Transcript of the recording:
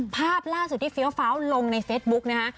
ภาพล่าสุดที่เฟี้ยวฟ้าวลงในเฟซบุ๊กนะฮะ